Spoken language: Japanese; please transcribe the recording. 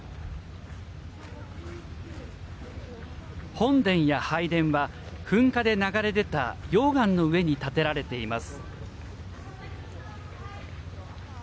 本殿や拝殿は噴火で流れ出た溶岩の上に立てられています。